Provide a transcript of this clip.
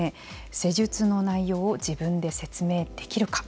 施術の内容を自分で説明できるか。